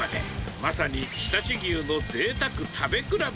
まさに常陸牛のぜいたく食べ比べ。